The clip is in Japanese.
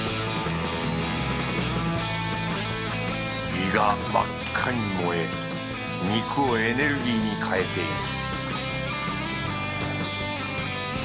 胃が真っ赤に燃え肉をエネルギーに変えていく